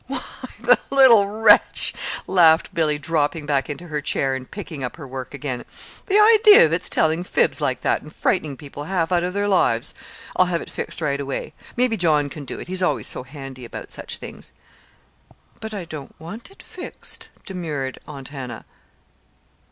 "Why, the little wretch," laughed Billy, dropping back into her chair and picking up her work again. "The idea of its telling fibs like that and frightening people half out of their lives! I'll have it fixed right away. Maybe John can do it he's always so handy about such things." "But I don't want it fixed," demurred Aunt Hannah.